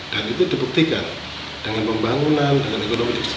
dan itu dibuktikan dengan pembangunan dengan ekonomi sebagainya